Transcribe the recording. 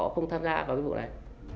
không tham gia vào vụ này